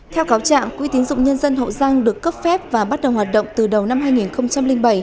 theo cáo trạng quỹ tín dụng nhân dân hậu giang được cấp phép và bắt đầu hoạt động từ đầu năm hai nghìn bảy